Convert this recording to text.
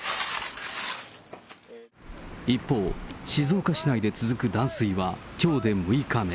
一方、静岡市内で続く断水は、きょうで６日目。